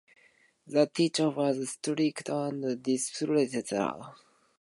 The teacher was strict and disciplined, maintaining order in the classroom.